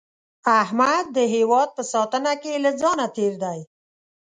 احمد د هیواد په ساتنه کې له ځانه تېر دی.